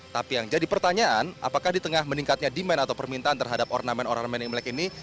tapi yang jadi pertanyaan apakah di tengah meningkatnya demand atau permintaan terhadap ornamen ornamen imlek ini